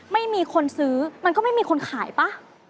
ไม่มีคนซื้อมันก็ไม่มีคนขายป่ะ